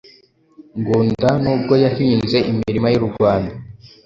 Ngunda nubwo yahinze imirima y’u Rwanda,